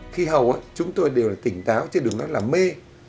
khi hầu chúng tôi đều tỉnh táo chứ đừng nói là mê